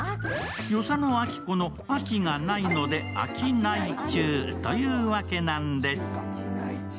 与謝野晶子のアキがないので、あきない中というわけなんです。